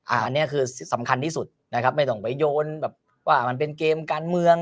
อันนี้คือสำคัญที่สุดนะครับไม่ต้องไปโยนแบบว่ามันเป็นเกมการเมือง